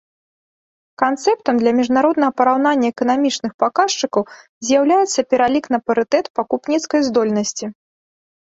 Канцэптам для міжнароднага параўнання эканамічных паказчыкаў з'яўляецца пералік на парытэт пакупніцкай здольнасці.